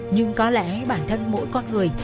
nhưng có lẽ bản thân mỗi con người